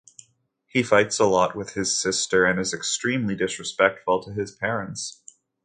He fights a lot with his sister and is extremely disrespectful to his parents.